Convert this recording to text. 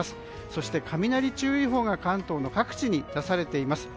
そして雷注意報が関東の各地に出されています。